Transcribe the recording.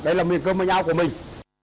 đấy là nguyên cơ mạnh áo của mình